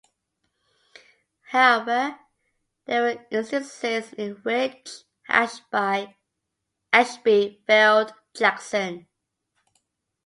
However, there were instances in which Ashby failed Jackson.